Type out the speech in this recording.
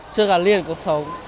chưa cả liền cuộc sống